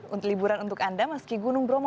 untuk liburan untuk anda meski gunung bromo